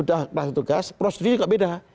sudah kelas tugas prosedurnya juga beda